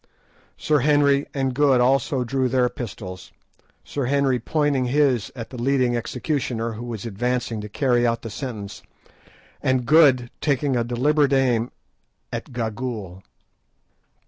Sir Henry and Good also drew their pistols, Sir Henry pointing his at the leading executioner, who was advancing to carry out the sentence, and Good taking a deliberate aim at Gagool.